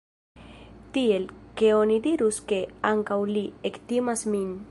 Tiel, ke oni dirus ke, ankaŭ li, ektimas min.